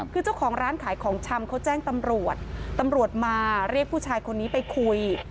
คือเจ้าของร้านขายของชำเขาแจ้งตำรวจตำรวจมาเรียกผู้ชายคนนี้ไปคุย